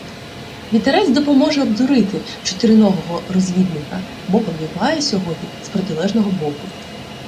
Вітерець допоможе обдурити чотириногого розвідника — бо повіває сьогодні з протилежного боку.